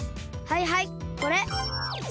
はいはいこれ。